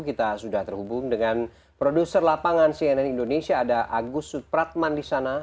kita sudah terhubung dengan produser lapangan cnn indonesia ada agus supratman di sana